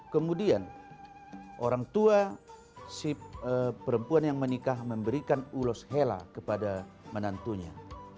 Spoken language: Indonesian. kemudian orang tua si perempuan yang menikah memberikan ulos hela kepada menantunya